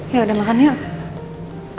ya udah makan yuk